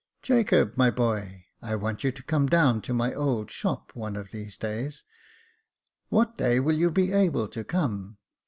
" Jacob, my boy, I want you to come down to my old shop one of these days. What day will you be able to come